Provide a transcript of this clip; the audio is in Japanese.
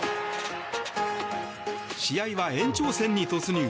試合は延長戦に突入。